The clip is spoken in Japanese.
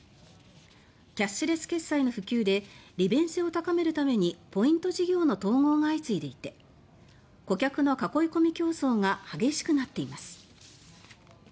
キャッシュレス決済の普及で利便性を高めるためにポイント事業の統合が相次いでいて顧客の囲い込み競争が激しくなっています。